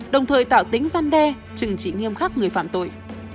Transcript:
đồng thời tạo tính gian đe trừng trị nghiêm khắc người phạm tội